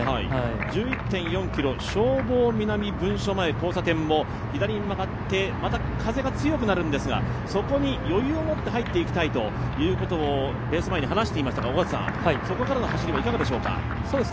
１１．４ｋｍ、交差点を左に曲がって風が強くなるんですが、そこに余裕を持って入っていきたいとレース前に話していましたが、そこからの走りはいかがでしょうか？